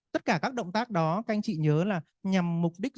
tất cả các động tác đó canh chị nhớ là nhằm mục đích